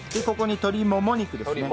ここに鶏もも肉です。